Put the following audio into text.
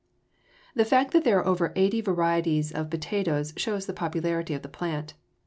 The fact that there are over eighty varieties of potatoes shows the popularity of the plant.